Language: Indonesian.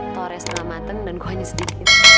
tore selamateng dan kuenya sedikit